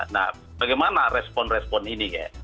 nah bagaimana respon respon ini